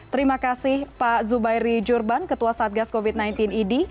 terima kasih pak zubairi jurban ketua satgas covid sembilan belas idi